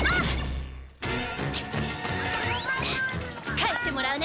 返してもらうね。